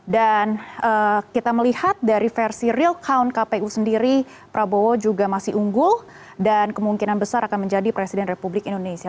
dan kita melihat dari versi real count kpu sendiri prabowo juga masih unggul dan kemungkinan besar akan menjadi presiden republik indonesia